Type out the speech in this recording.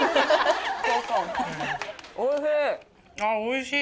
おいしい。